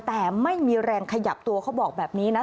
แต่ไม่มีแรงขยับตัวเขาบอกแบบนี้นะ